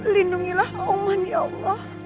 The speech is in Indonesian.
lindungilah roman ya allah